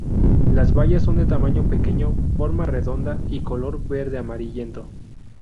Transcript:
Las bayas son de tamaño pequeño, forma redonda y color verde-amarillento.